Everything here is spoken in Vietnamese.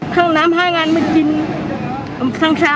không làm hai nghìn một mươi chín tháng sáu hay